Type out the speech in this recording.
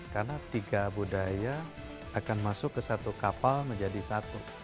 karena tiga budaya akan masuk ke satu kapal menjadi satu